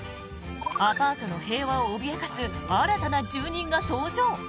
アパートの平和を脅かす新たな住人が登場。